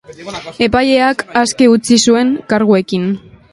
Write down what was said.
Epaileak aske utzi zuen, karguekin.